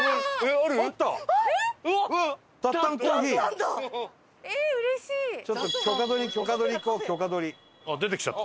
あっ出てきちゃった。